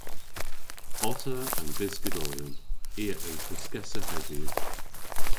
Otta an byskadoryon. I a yll pyskessa hedhyw.